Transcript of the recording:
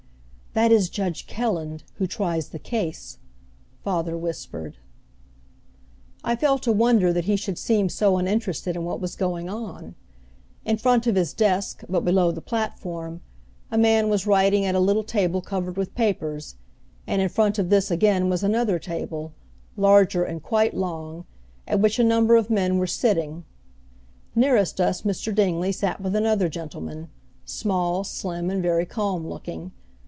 "That is Judge Kelland, who tries the case," father whispered. I felt a wonder that he should seem so uninterested in what was going on. In front of his desk, but below the platform, a man was writing at a little table covered with papers; and in front of this again was another table, larger and quite long, at which a number of men were sitting. Nearest us Mr. Dingley sat with another gentleman, small, slim and very calm looking.